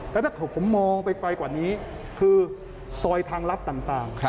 แล้วถ้าเกิดผมมองไปไกลกว่านี้คือซอยทางรัฐต่าง